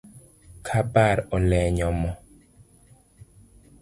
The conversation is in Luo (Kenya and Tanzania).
Kabar olenyo moo